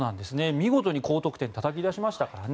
見事に高得点たたき出しましたからね。